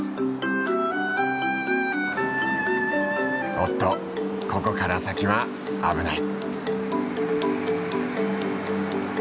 おっとここから先は危ない。